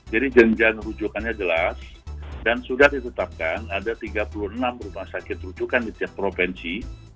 jadi jenjalan rujukannya jelas dan sudah ditetapkan ada tiga puluh enam rumah sakit rujukan di setiap provinsi